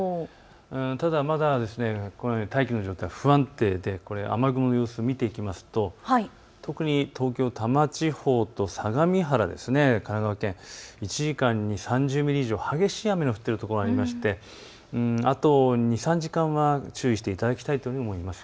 ただ、まだ大気の状態不安定でこれ、雨雲の様子を見ていきますと特に東京多摩地方と相模原、１時間に３０ミリ以上、激しい雨の降っているところがありましてあと２、３時間は注意していただきたいと思います。